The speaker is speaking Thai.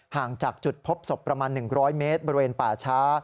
ห่างจากจุดพบศพประมาณ๑๐๐เมตรบริเวณป่าช้า